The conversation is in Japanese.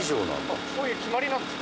そういう決まりなんですか？